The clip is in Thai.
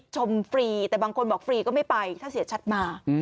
ฟรีแต่บางคนบอกฟรีก็ไม่ไปถ้าเสียชัดมา